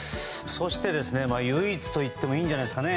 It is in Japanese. そして、唯一といってもいいんじゃないですかね。